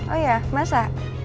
oh ya masa